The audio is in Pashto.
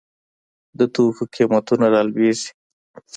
د توکو قیمتونه رالویږي.